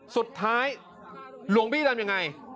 สุดท้ายหลวงพี่ทำยังไง